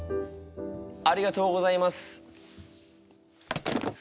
ありがとうございます。